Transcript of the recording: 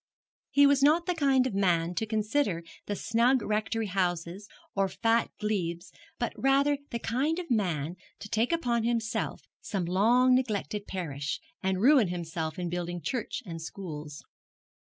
He was not the kind of man to consider the snug rectory houses or fat glebes, but rather the kind of man to take upon himself some long neglected parish, and ruin himself in building church and schools.